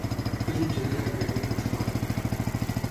És un gènere endèmic d'Austràlia.